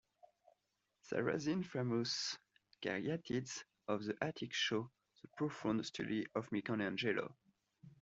Sarazin's famous Caryatides of the attic show the profound study of Michelangelo.